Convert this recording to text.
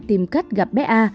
tìm cách gặp bé a